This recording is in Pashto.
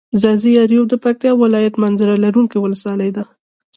ځاځي اريوب د پکتيا ولايت منظره لرونکي ولسوالي ده.